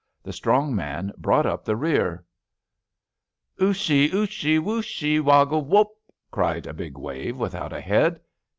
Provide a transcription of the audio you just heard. The strong man brought up the rear. ^^ Ooshy — ooshy — ^wooshy — ^woggle wopt " cried a big wave without a head.